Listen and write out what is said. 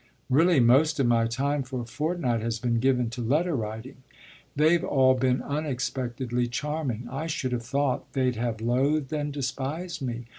Really most of my time for a fortnight has been given to letter writing. They've all been unexpectedly charming. I should have thought they'd have loathed and despised me.